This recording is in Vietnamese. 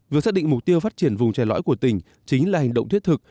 việc xác định mục tiêu phát triển vùng trè lõi của tỉnh chính là hành động thiết thực